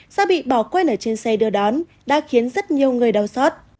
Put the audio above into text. đã bị bỏ quen ở trên xe đưa đón đã khiến rất nhiều người đau xót